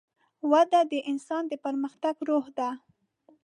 وده د انسان د پرمختګ روح ده.